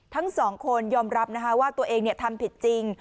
ทั้ง๒คนยอมรับว่าตัวเองเนี่ยทำผิดจริง